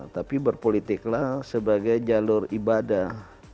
tapi berpolitiklah sebagai jalur ibadah